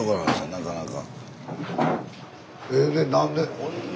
なかなか。